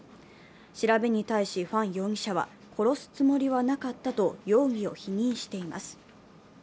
調べに対しファン容疑者は殺すつもりはなかったと容疑を否認しています。